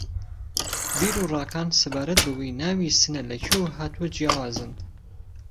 بیر و ڕاکان سەبارەت بەوەی ناوی سنە لە کوێوە ھاتووە جیاوازن